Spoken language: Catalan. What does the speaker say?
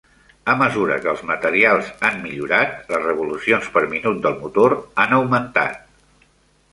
A mesura que els materials han millorar, les revolucions per minut del motor han augmentat.